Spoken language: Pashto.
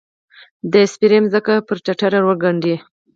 د سپیرې مځکې، پر ټټر ورګنډې